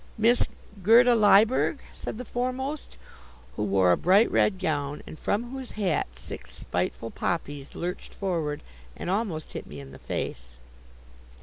"Miss Gerda Lyberg?" said the foremost, who wore a bright red gown, and from whose hat six spiteful poppies lurched forward and almost hit me in the face.